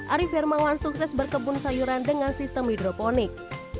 ari firmawan sukses berkebun sayuran dengan sistem hidroponik